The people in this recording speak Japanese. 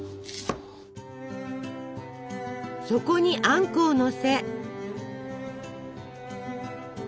そこにあんこをのせ。